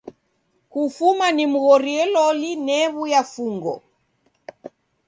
Kufuma nimghorie loli new'uya fungo.